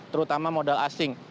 terutama modal asing